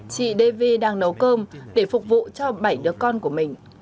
chị davi đang nấu cơm để phục vụ cho bảy đứa con của mình